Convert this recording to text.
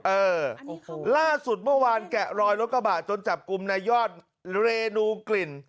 เออล่าสุดเมื่อวานแกะรอยรถกระบะจนจับกลุ่มนายยอดเรนูกลิ่น